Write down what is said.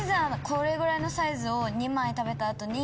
これぐらいのサイズを２枚食べた後に。